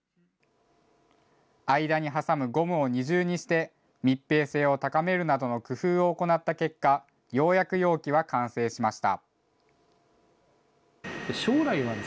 間に挟むゴムを二重にして、密閉性を高めるなどの工夫を行った結果、ようやく容器は完成しました。